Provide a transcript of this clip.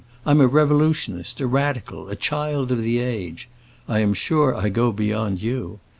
I'm a revolutionist, a radical, a child of the age! I am sure I go beyond you.